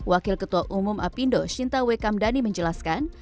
wakil ketua umum apindo shinta wekamdani menjelaskan